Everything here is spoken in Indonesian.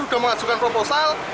sudah mengajukan proposal